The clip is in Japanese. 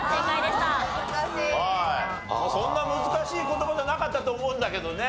そんな難しい言葉じゃなかったと思うんだけどね。